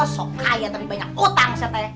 sok kaya tapi banyak utang sepertinya